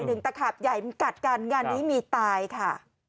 แต่ขับใหญ่มันกราดการงานนี้มีตายค่ะ